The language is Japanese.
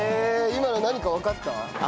今の何かわかった？